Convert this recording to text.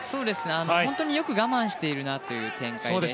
本当によく我慢しているなという展開です。